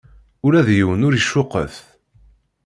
Ula d yiwen ur icukket.